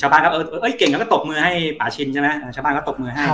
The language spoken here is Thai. บ้านก็เก่งแล้วก็ตบมือให้ป่าชินใช่ไหมชาวบ้านก็ตบมือให้